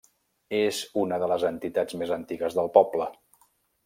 És una de les entitats més antigues del poble.